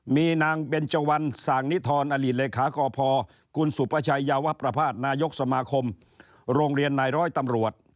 มีนางเบนเจวันสางนิทรอดีตเลขากพคุณสุประชัยยาวประพาทนายกสมาคมโรงเรียนนายร้อยตำรวจ